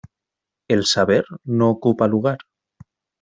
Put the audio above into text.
El saber no ocupa lugar.